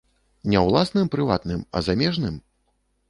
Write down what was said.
Не ўласным прыватным, а замежным?